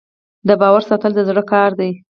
د باور ساتل د زړه کار دی.